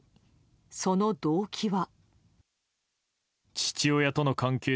その動機は。